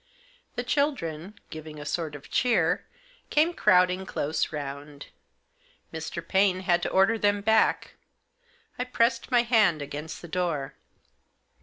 The children, giving a sort of cheer, came crowding close round. Mr. Paine had to order them back. I pressed my hand against the door.